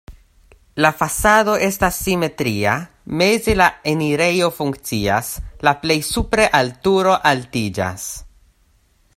La fasado estas simetria, meze la enirejo funkcias, la plej supre al turo altiĝas.